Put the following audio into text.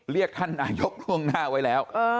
เรียกท่านนายกล่วงหน้าไว้แล้ว